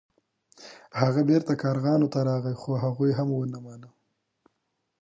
هغه بیرته کارغانو ته راغی خو هغوی هم ونه مانه.